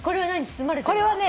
包まれてるのは？